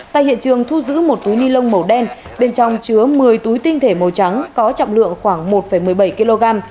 tại hiện trường thu giữ một túi ni lông màu đen bên trong chứa một mươi túi tinh thể màu trắng có trọng lượng khoảng một một mươi bảy kg